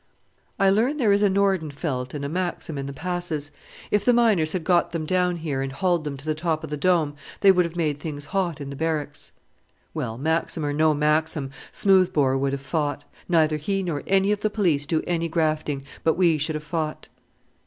"I learn there is a 'Nordenfelt' and a maxim in the Passes. If the miners had got them down here and hauled them to the top of the Dome they would have made things hot in the Barracks." "Well, maxim or no maxim, Smoothbore would have fought. Neither he nor any of the police do any grafting; but we should have fought."